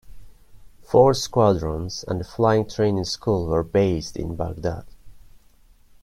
Four squadrons and the Flying Training School were based in Baghdad.